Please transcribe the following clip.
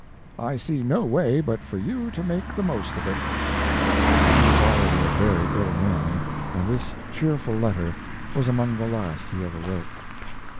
I see no way but for you to make the most of it." He was already a very ill man, and this cheerful letter was among the last he ever wrote.